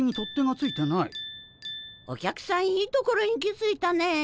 お客さんいいところに気づいたね。